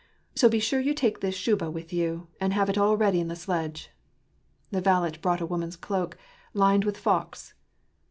So be sure you take this shuba with you, and have it all ready in the sledge." The valet brought a woman's cloak, lined with fox.